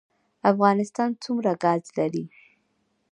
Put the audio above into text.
افغانستان څومره ګاز لري؟